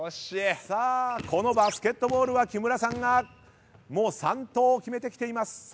さあこのバスケットボールは木村さんがもう３投決めてきています。